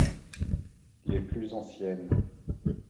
Les plus anciennes.